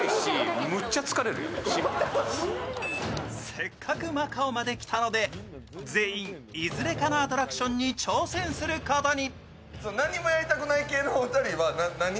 せっかくマカオまで来たので、全員いずれかのアトラクションに挑戦することに。